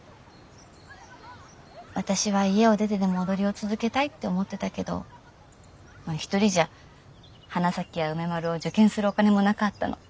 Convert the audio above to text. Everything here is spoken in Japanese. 私は家を出てでも踊りを続けたいって思ってたけど一人じゃ花咲や梅丸を受験するお金もなかったの。